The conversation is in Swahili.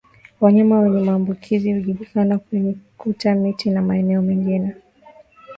Wanyama wenye maambukizi hujikuna kwenye kuta miti na maeneo mengine